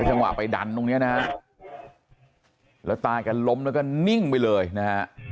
จังหวะไปดันตรงเนี้ยนะฮะแล้วตากันล้มแล้วก็นิ่งไปเลยนะฮะ